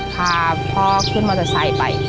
พาพ่อขึ้นมอเตอร์ไซค์ไป